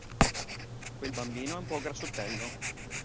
Quel bambino è un po' grassottello.